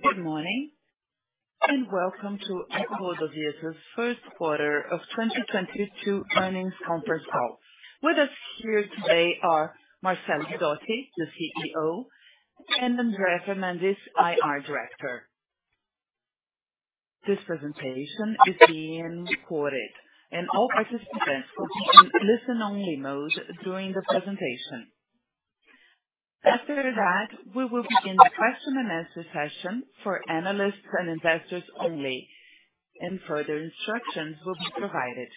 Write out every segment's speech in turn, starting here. Good morning, welcome to EcoRodovias' Q1 of 2022 Earnings Conference Call. With us here today are Marcello Guidotti, the CEO, and Andrea Fernandes, IR Director. This presentation is being recorded and all participants will be in listen only mode during the presentation. After that, we will begin the question and answer session for analysts and investors only, and further instructions will be provided.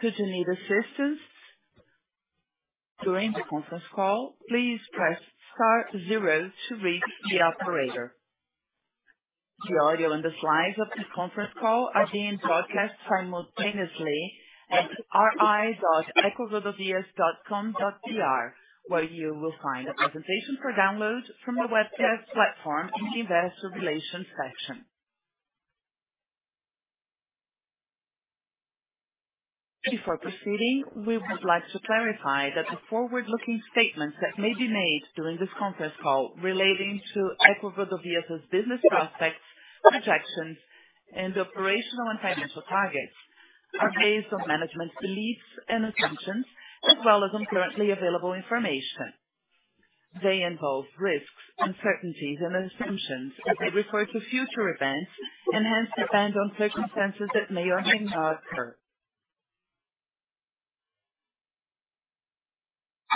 Should you need assistance during the conference call, please press star zero to reach the operator. The audio and the slides of the conference call are being broadcast simultaneously at ri.ecorodovias.com.br, where you will find a presentation for download from the webcast platform in the Investor Relations section. Before proceeding, we would like to clarify that the forward-looking statements that may be made during this conference call relating to EcoRodovias' business prospects, projections, and operational and financial targets are based on management's beliefs and assumptions as well as on currently available information. They involve risks, uncertainties and assumptions as they refer to future events and hence depend on circumstances that may or may not occur.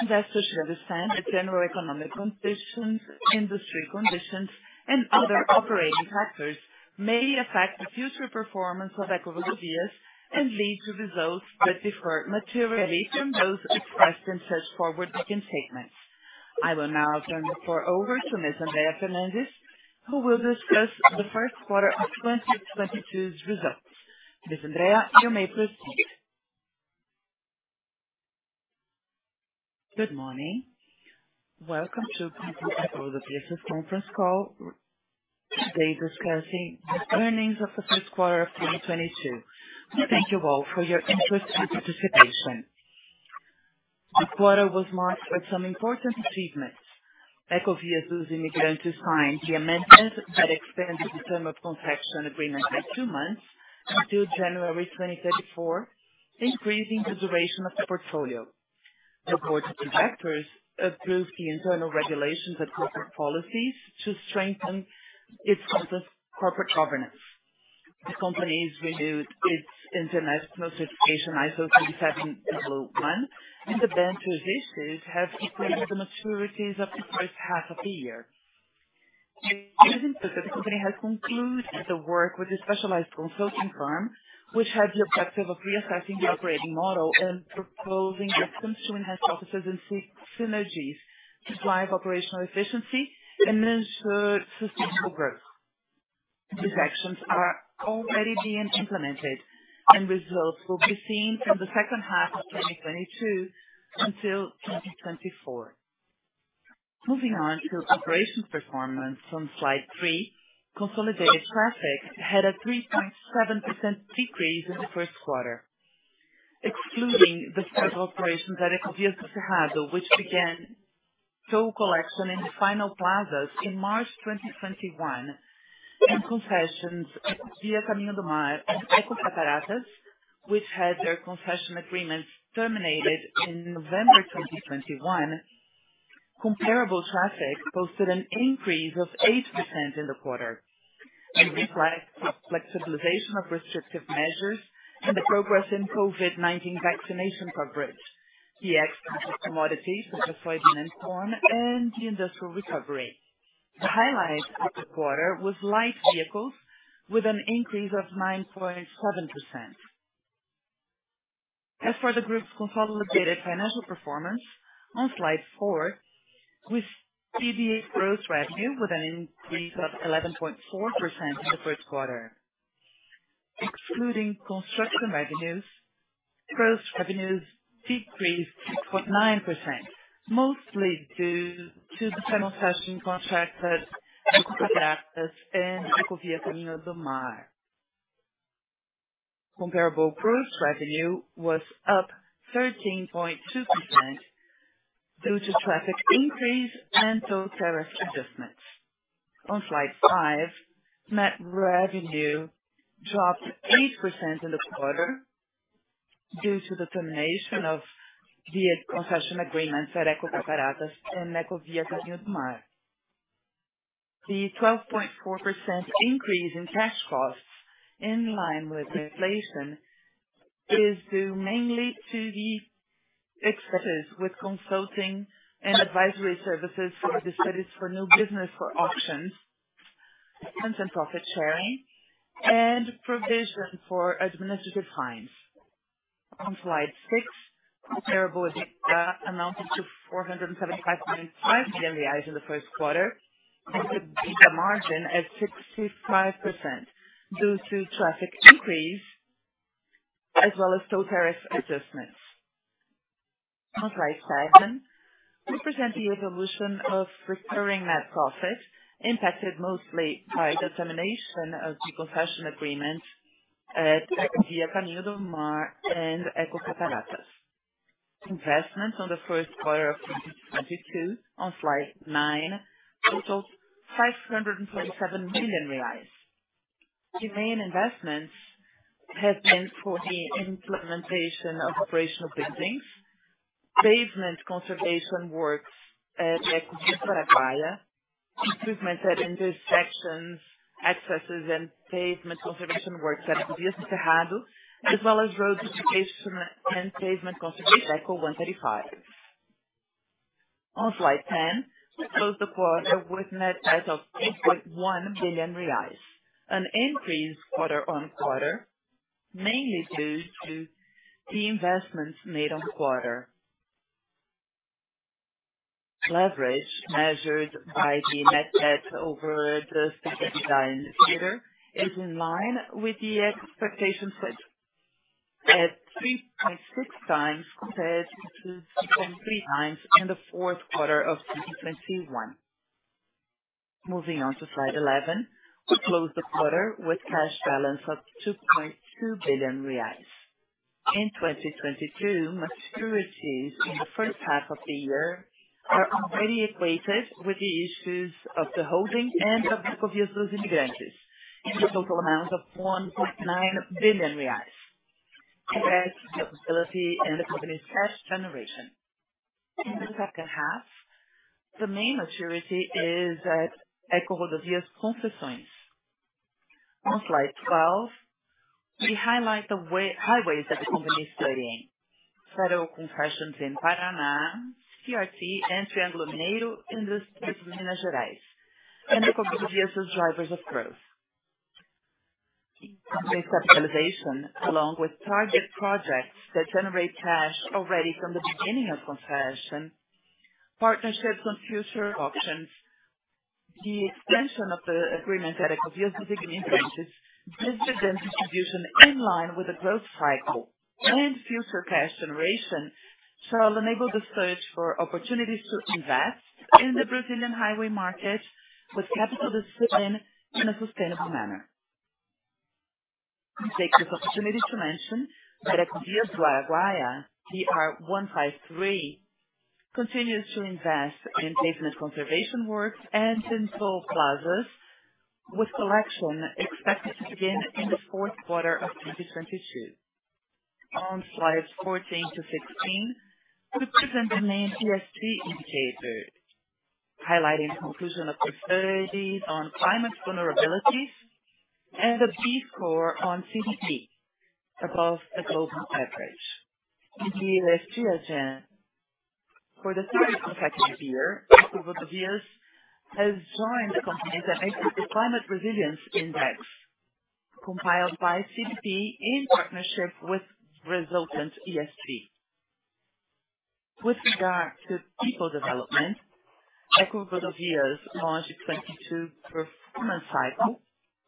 Investors should understand that general economic conditions, industry conditions and other operating factors may affect the future performance of EcoRodovias and lead to results that differ materially from those expressed in such forward-looking statements. I will now turn the floor over to Ms. Andrea Fernandes, who will discuss the Q1 of 2022's results. Ms. Andrea, you may proceed. Good morning. Welcome to EcoRodovias' conference call today discussing the earnings of the Q1 of 2022. We thank you all for your interest and participation. The quarter was marked with some important achievements. Ecovias dos Imigrantes signed the amendment that extended the term of concession agreement by two months until January 2034, increasing the duration of the portfolio. The board of directors approved the internal regulations and corporate policies to strengthen its sense of corporate governance. The company has renewed its international certification, ISO 37001, and the debentures issues have completed the maturities of the first half of the year. In addition to that, the company has concluded the work with a specialized consulting firm, which had the objective of reassessing the operating model and proposing actions to enhance processes and seek synergies to drive operational efficiency and ensure sustainable growth. These actions are already being implemented and results will be seen from the second half of 2022 until 2024. Moving on to operations performance on slide three. Consolidated traffic had a 3.7% decrease in the Q1, excluding the federal operations at Ecovias do Cerrado, which began toll collection in the final plazas in March 2021, and concessions Ecovia Caminho do Mar and Ecocataratas, which had their concession agreements terminated in November 2021. Comparable traffic posted an increase of 8% in the quarter. It reflects the flexibilization of restrictive measures and the progress in COVID-19 vaccination coverage, the increase of commodities such as soybean and corn, and the industrial recovery. The highlight of the quarter was light vehicles with an increase of 9.7%. As for the group's consolidated financial performance on slide 4, we see the gross revenue with an increase of 11.4% in the Q1. Excluding construction revenues, gross revenues decreased 6.9%, mostly due to the final concessions of Ecocataratas and Ecovia Caminho do Mar. Comparable gross revenue was up 13.2% due to traffic increase and toll tariff adjustments. On slide five, net revenue dropped 8% in the quarter due to the termination of the concession agreements at Ecocataratas and Ecovia Caminho do Mar. The 12.4% increase in cash costs in line with inflation is due mainly to the expenses with consulting and advisory services for the studies for new business, for auctions and some profit sharing and provision for administrative fines. On slide six, comparable EBITDA amounted to 475.5 million reais in the Q1 with EBITDA margin at 65% due to traffic increase as well as toll tariff adjustments. On slide seven, we present the evolution of recurring net profit impacted mostly by the termination of the concession agreement at Ecovia Caminho do Mar and Ecocataratas. Investments in the Q1 of 2022 on slide nine totaled BRL 527 million. The main investments have been for the implementation of operational buildings, pavement conservation works, improvements at intersections, accesses and pavement conservation works, as well as road certification and pavement conservation at Eco135. On slide 10, we close the quarter with net debt of 8.1 billion reais, an increase quarter-on-quarter, mainly due to the investments made in the quarter. Leverage measured by the net debt over the EBITDA indicator is in line with the expectations set at 3.6x compared to 3.7x in the Q4 of 2021. Moving on to slide 11. We close the quarter with cash balance of 2.2 billion reais. In 2022, maturities in the first half of the year are already equated with the issues of the holding and of EcoRodovias in the total amount of 1.9 billion reais. With the facility and the company's cash generation. In the second half, the main maturity is at EcoRodovias Concessões. On slide 12, we highlight the highways that the company is studying. Federal concessions in Paraná, PRT and Triângulo Mineiro in the state of Minas Gerais and the company's drivers of growth. Company stabilization, along with target projects that generate cash already from the beginning of concession, partnerships on future auctions, the extension of the agreement at distribution in line with the growth cycle and future cash generation shall enable the search for opportunities to invest in the Brazilian highway market with capital discipline in a sustainable manner. I take this opportunity to mention that Ecovia BR-153 continues to invest in pavement conservation works and in toll plazas, with collection expected to begin in the Q4 of 2022. On slides 14-16, we present the main ESG indicators highlighting conclusion of studies on climate vulnerabilities and a B score on CDP above the global average. In the ESG agenda, for the third consecutive year, EcoRodovias has joined the companies that make up the Climate Resilience Index compiled by CDP in partnership with Resilience ESG. With regard to people development, EcoRodovias launched 2022 performance cycle,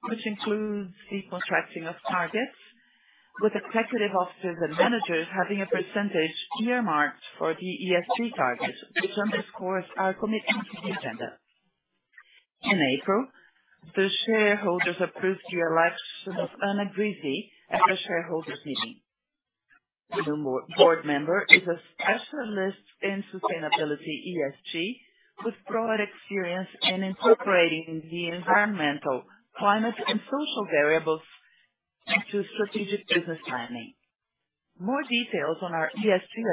which includes the contracting of targets with executive officers and managers having a percentage earmarked for the ESG targets, which underscores our commitment to the agenda. In April, the shareholders approved the election of Ana Greve at the shareholders' meeting. The board member is a specialist in sustainability ESG, with broad experience in incorporating the environmental, climate and social variables into strategic business planning. More details on our ESG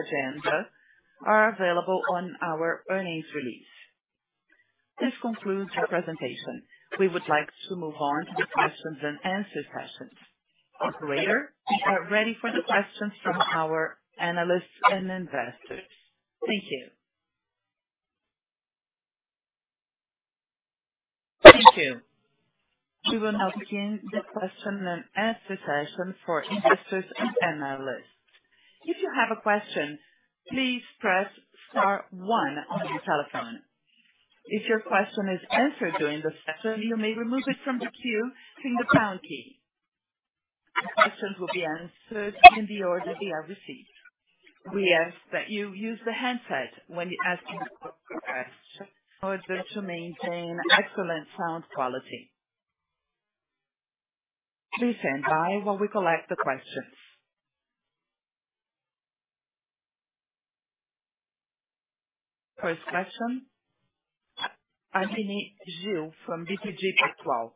agenda are available on our earnings release. This concludes the presentation. We would like to move on to the question and answer session. Operator, we are ready for the questions from our analysts and investors. Thank you. Thank you. We will now begin the question and answer session for investors and analysts. If you have a question, please press star one on your telephone. If your question is answered during the session, you may remove it from the queue using the pound key. Questions will be answered in the order they are received. We ask that you use the headset when asking questions in order to maintain excellent sound quality. Please stand by while we collect the questions. First question, Aline Gil from BTG Pactual.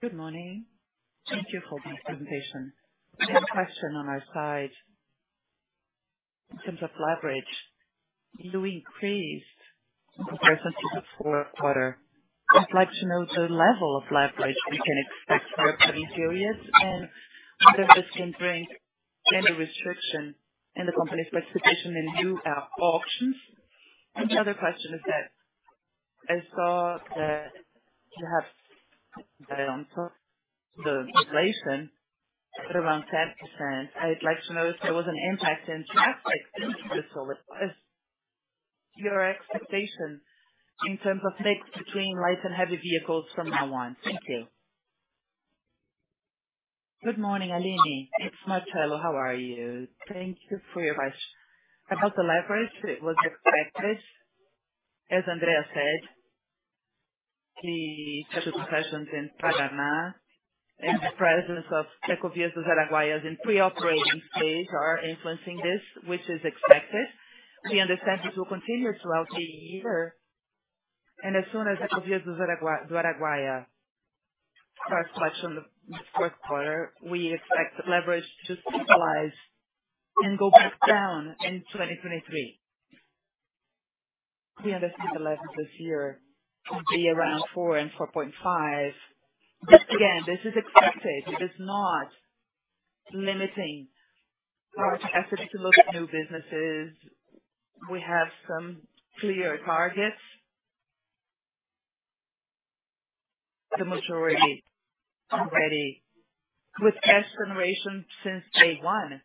Good morning. Thank you for the presentation. One question on our side. In terms of leverage, do we increase in comparison to the Q4? I'd like to know the level of leverage we can expect for the coming periods, and whether this can bring any restriction in the company's participation in new auctions. Another question is that I saw that you have data on top of the inflation at around 10%. I'd like to know if there was an impact in traffic since this was. What is your expectation in terms of mix between light and heavy vehicles from now on? Thank you. Good morning, Aline. It's Marcello. How are you? Thank you for your question. About the leverage, it was expected, as Andrea said. The concessions in Paraná and the presence of Ecovias do Araguaia in pre-operating phase are influencing this, which is expected. We understand this will continue throughout the year. As soon as Ecovias do Araguaia starts collection in the Q4, we expect the leverage to stabilize and go back down in 2023. We understand the leverage this year will be around 4x-4.5x. Again, this is expected. It is not limiting our efforts to look at new businesses. We have some clear targets. The majority already with cash generation since day one.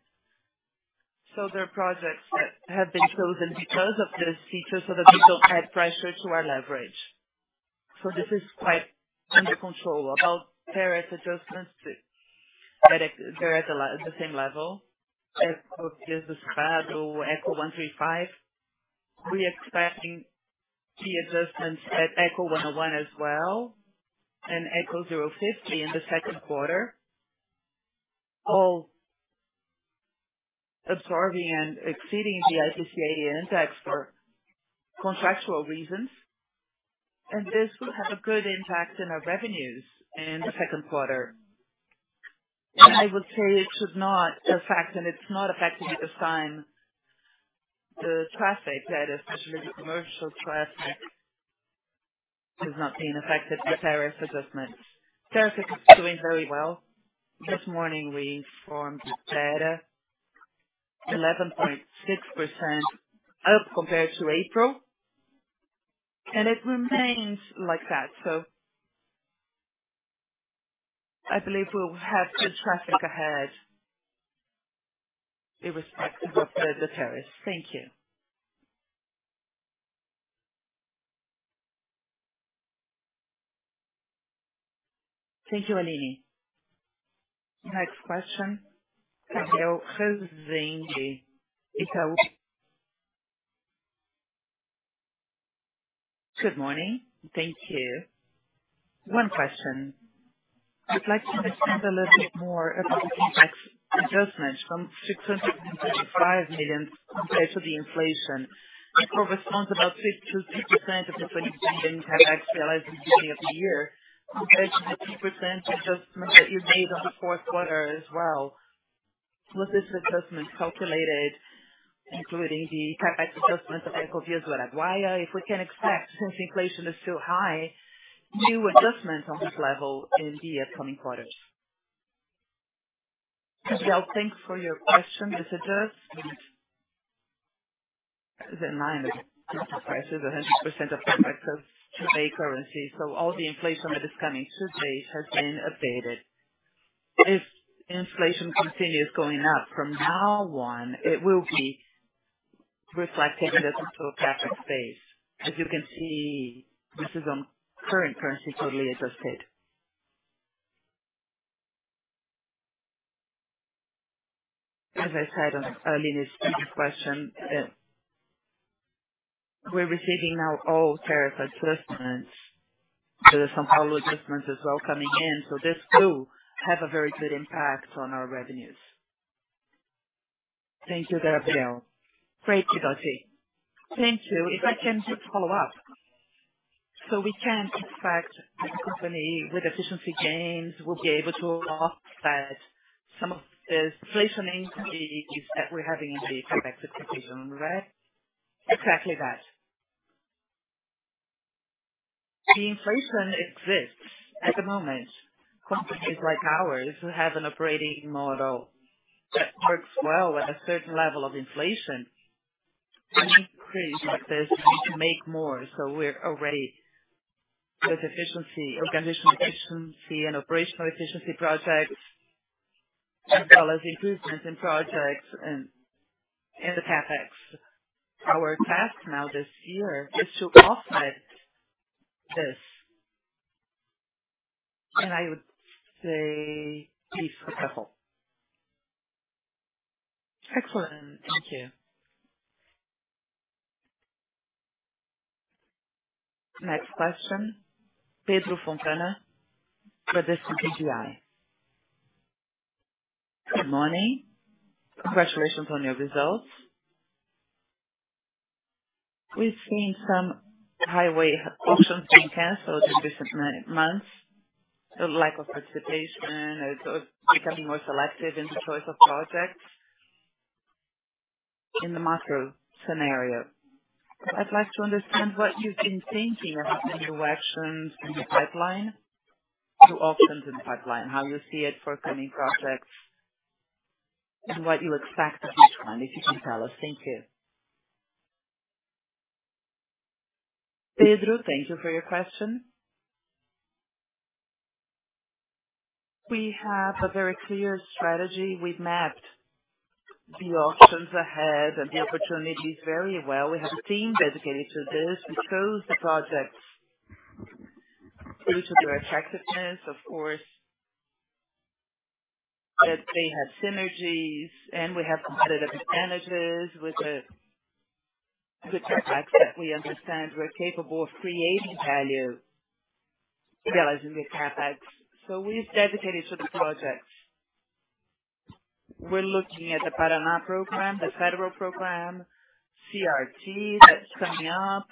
There are projects that have been chosen because of this feature so that they don't add pressure to our leverage. This is quite under control. About tariff adjustments, they're at the same level as Eco101, Eco135. We're expecting key adjustments at Eco101 as well, and Eco050 in the Q2. All absorbing and exceeding the associated index for contractual reasons. This will have a good impact in our revenues in the Q2. I would say it should not affect, and it's not affecting at this time. The traffic data, especially the commercial traffic, has not been affected by tariff adjustments. Traffic is doing very well. This morning we have data 11.6% up compared to April, and it remains like that. I believe we'll have good traffic ahead irrespective of the tariffs. Thank you. Thank you, Aline. Next question, Gabriel Rezende of Itau BBA. Good morning. Thank you. One question. I'd like to understand a little bit more about the CapEx adjustment from 655 million compared to the inflation. It corresponds about 52% of the 20 billion CapEx realized at the beginning of the year compared to the 50% adjustment that you made on the Q4 as well. Was this adjustment calculated including the CapEx adjustment of Ecovias do Araguaia? If we can expect, since inflation is still high, new adjustments on this level in the upcoming quarters? Gabriel, thanks for your question. This adjustment is in line with prices 100% of CapEx of today's currency, so all the inflation that is coming to date has been updated. If inflation continues going up from now on, it will be reflected in the CapEx. As you can see, this is on constant currency, totally adjusted. As I said on Aline's previous question, we're receiving now all tariff adjustments. The São Paulo adjustments is all coming in. This too have a very good impact on our revenues. Thank you, Gabriel. Great, got it. Thank you. If I can just follow up. We can expect this company with efficiency gains will be able to offset some of the inflation increases that we're having in the contracted provision, right? Exactly that. The inflation exists at the moment. Companies like ours who have an operating model that works well at a certain level of inflation increase like this need to make more. We're already with efficiency, organizational efficiency and operational efficiency projects, as well as improvements in projects and the CapEx. Our task now this year is to offset this. I would say be successful. Excellent. Thank you. Next question, Pedro Fontana with Bradesco BBI. Good morning. Congratulations on your results. We've seen some highway auctions being canceled in recent months, a lack of participation, and so becoming more selective in the choice of projects in the macro scenario. I'd like to understand what you've been thinking or how your direction in the pipeline to auctions in the pipeline, how you see it for coming projects and what you expect of each one, if you can tell us. Thank you. Pedro, thank you for your question. We have a very clear strategy. We've mapped the auctions ahead and the opportunities very well. We have a team dedicated to this. We chose the projects due to their attractiveness. Of course, that they have synergies and we have competitive advantages with the contracts that we understand we're capable of creating value realizing the CapEx. We've dedicated to the project. We're looking at the Paraná program, the federal program, CRT that's coming up.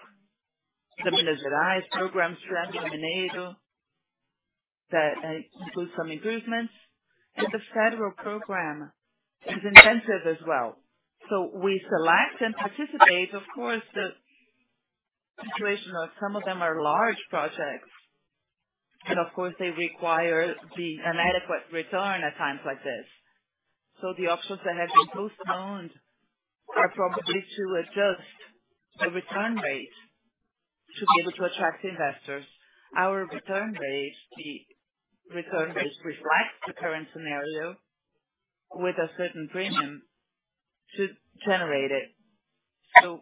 The Minas Gerais program, [Transaminase], that includes some improvements, and the federal program is intensive as well. We select and participate. Of course, the situation of some of them are large projects and of course they require the adequate return at times like this. The options that have been postponed are probably to adjust the return rate to be able to attract investors. Our return rate, the return rate reflects the current scenario with a certain premium to generate it.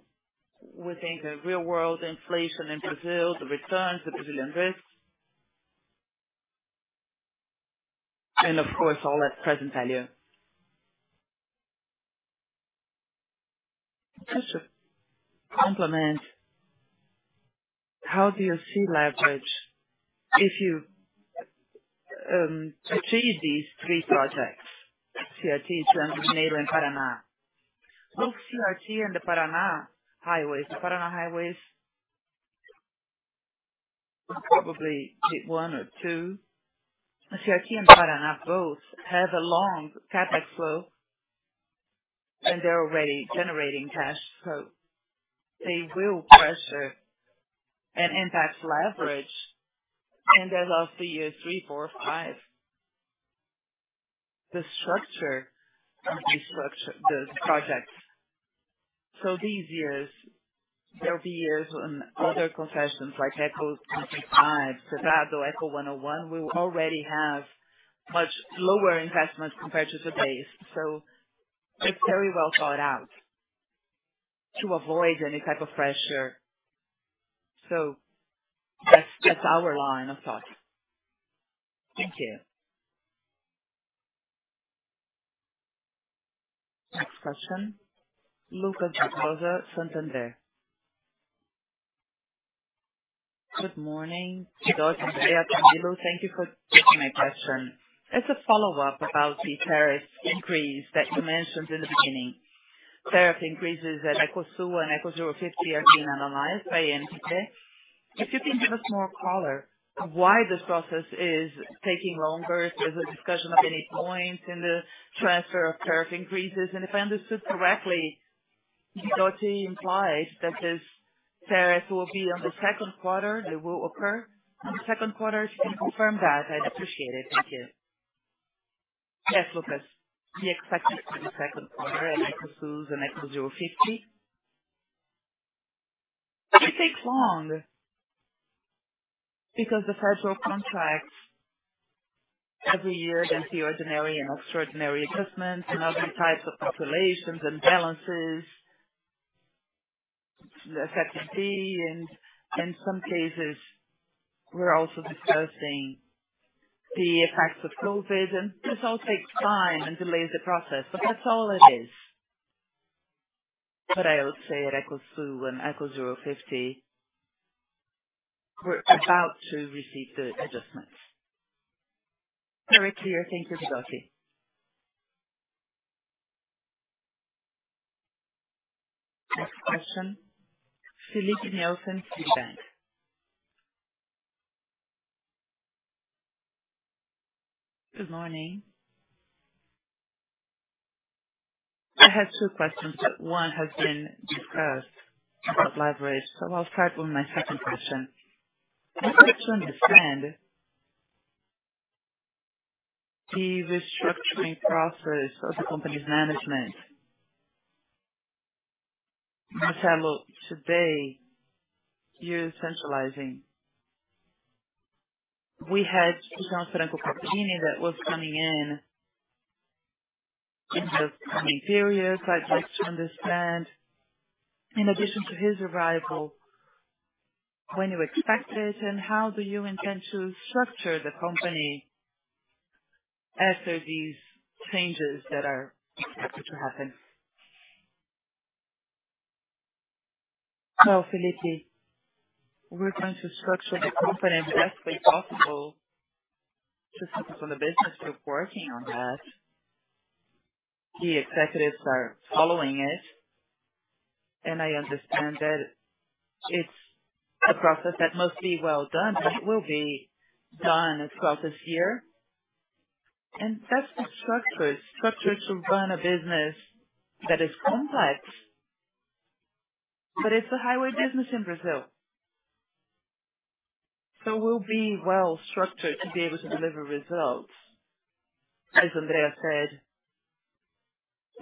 Within the real world inflation in Brazil, the returns, the Brazilian risks. Of course, all at present value. Just to complement, how do you see leverage if you achieve these three projects, CRT, [Transaminase] and Paraná? Both CRT and the Paraná highways. The Paraná highways will probably be 1x or 2x. CRT and Paraná both have a long CapEx flow, and they're already generating cash. They will pressure and impact leverage in the last three years, 3x, 4x, 5x. The structure of the projects. These years, there'll be years when other concessions, like Eco25, Cerrado, Eco101, will already have much lower investments compared to the base. It's very well thought out to avoid any type of pressure. That's our line of thought. Thank you. Next question, Lucas Barbosa, Santander. Good morning. Good morning. Thank you for taking my question. As a follow-up about the tariff increase that you mentioned in the beginning. Tariff increases at Eco002 and Eco050 are being analyzed by ANTT. If you can give us more color why this process is taking longer? If there's a discussion of any points in the transfer of tariff increases? If I understood correctly, Guidotti implied that this tariff will be on the Q2. It will occur on the Q2. If you can confirm that, I'd appreciate it. Thank you. Yes, Lucas. We expect it in the second quarter at Eco002 and Eco050. It takes long because the federal contracts every year, there's the ordinary and extraordinary adjustments and other types of populations and balances that have to be. In some cases, we're also discussing the effects of COVID, and this all takes time and delays the process. That's all it is. I will say at Eco002 and Eco050, we're about to receive the adjustments. Very clear. Thank you, Guidotti. Next question, Filipe Nelsen, Citi. Good morning. I have two questions. One has been discussed about leverage. I'll start with my second question. I'm trying to understand the restructuring process of the company's management. Marcello, today you're centralizing. We had [João Franco Cappellini] that was coming in the coming period. I'd like to understand, in addition to his arrival, when you expect it and how do you intend to structure the company after these changes that are expected to happen? Filipe, we're trying to structure the company as best way possible to support the business. We're working on that. The executives are following it, and I understand that it's a process that must be well done, but it will be done across this year. That's the structure. Structure to run a business that is complex, but it's a highway business in Brazil. We'll be well-structured to be able to deliver results. As Andrea said,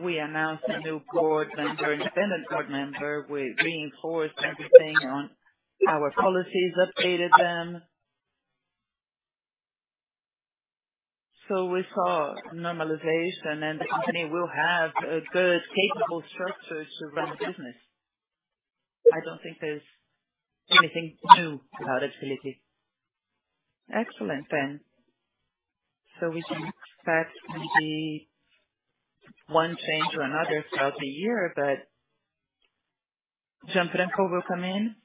we announced a new board member, independent board member. We reinforced everything on our policies, updated them. We saw normalization and the company will have a good capable structure to run the business. I don't think there's anything new about it, Filipe. Excellent, then. We can expect maybe one change or another throughout the year. João Franco will come in?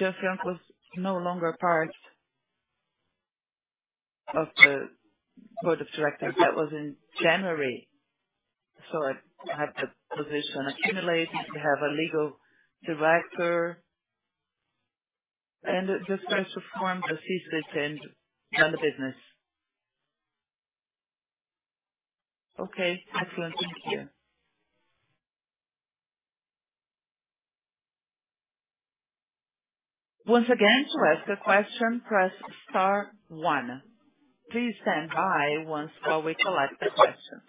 João Franco is no longer part of the board of directors. That was in January. I have the position accumulated. We have a legal director and just try to form the C-suite and run the business. Okay. Excellent. Thank you. Once again, to ask a question, press star one. Please stand by while we collect the questions.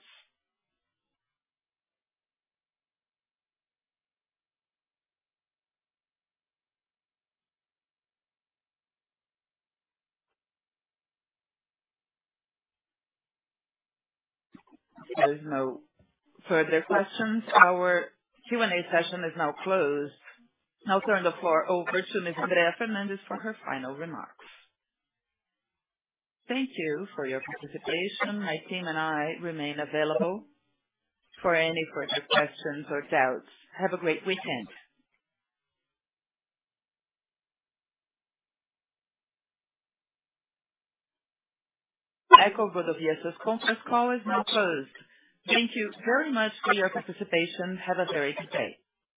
If there's no further questions, our Q&A session is now closed. I'll turn the floor over to Ms. Andrea Fernandes for her final remarks. Thank you for your participation. My team and I remain available for any further questions or doubts. Have a great weekend. EcoRodovias' conference call is now closed. Thank you very much for your participation. Have a great day.